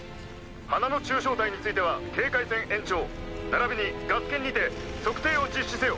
花野中小隊については警戒線延長並びにガス検にて測定を実施せよ。